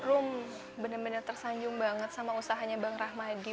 room bener bener tersanjung banget sama usahanya bang rahmadi